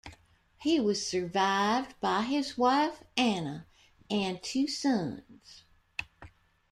He was survived by his wife, Anna, and two sons.